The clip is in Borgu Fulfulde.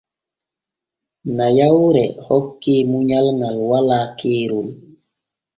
Nayawre hokke munyal ŋal walaa keerol.